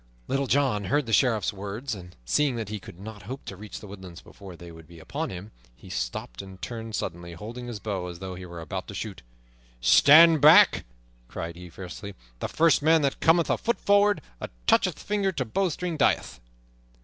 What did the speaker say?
Little John heard the Sheriff's words, and seeing that he could not hope to reach the woodlands before they would be upon him, he stopped and turned suddenly, holding his bow as though he were about to shoot. "Stand back!" cried he fiercely. "The first man that cometh a foot forward, or toucheth finger to bowstring, dieth!"